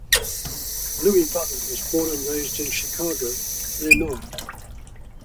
Louis Butler was born and raised in Chicago, Illinois.